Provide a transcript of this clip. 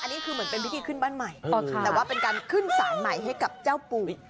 อันนี้คือเหมือนเป็นพิธีขึ้นบ้านใหม่แต่ว่าเป็นการขึ้นสารใหม่ให้กับเจ้าปุ๋ย